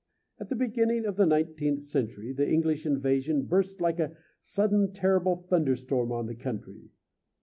At the beginning of the nineteenth century the English invasion burst like a sudden terrible thunderstorm on the country.